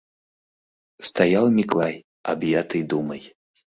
Стоял Миклай, объятый думой!